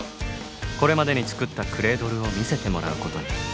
これまでに作ったクレードルを見せてもらうことに。